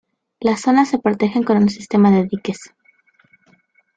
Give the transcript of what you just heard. Las zonas se protegen con un sistema de diques.